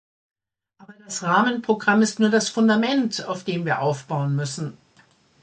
Aber das Rahmenprogramm ist nur das Fundament, auf dem wir aufbauen müssen.